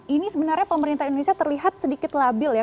ini sebenarnya pemerintah indonesia terlihat sedikit labil ya